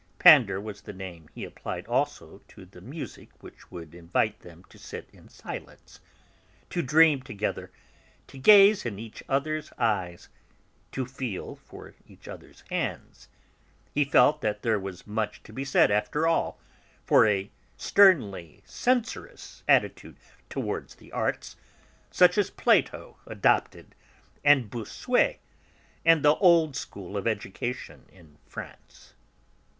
'Pander' was the name he applied also to the music which would invite them to sit in silence, to dream together, to gaze in each other's eyes, to feel for each other's hands. He felt that there was much to be said, after all, for a sternly censorous attitude towards the arts, such as Plato adopted, and Bossuet, and the old school of education in France.